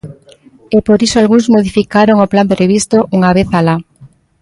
E por iso algúns modificaron o plan previsto unha vez alá.